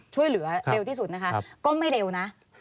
ช่วยเหลือเร็วที่สุดนะคะก็ไม่เร็วนะ